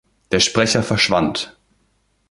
Der Sprecher verschwand.